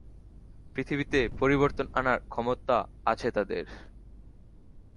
পৃথিবীতে পরিবর্তন আনার ক্ষমতা আছে তাদের।